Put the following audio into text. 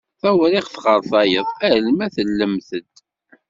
Tawriqt ɣer tayeḍ alma tellem-d.